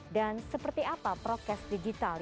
dan seperti apa prokes digitalnya